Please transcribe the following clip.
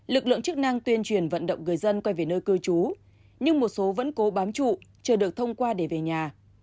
lực lượng chức năng tuyên truyền vận động người dân quay về nơi cư trú nhưng một số vẫn cố bám trụ chờ được thông qua để về nhà